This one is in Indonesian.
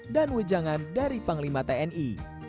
dan wejangan dari panglima tni